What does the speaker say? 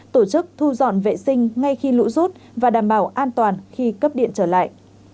tổ chức thu dọn vệ sinh ngay khi lũ rút và đảm bảo an toàn khi cấp điện trở lại